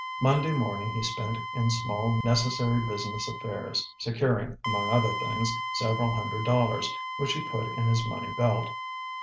Monday morning he spent in small necessary business affairs, securing, among other things, several hundred dollars, which he put in his money belt.